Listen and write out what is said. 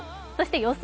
予想